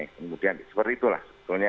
kemudian seperti itulah